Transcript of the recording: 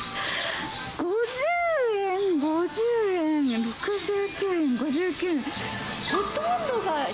５０円、５０円、６９円、５９円。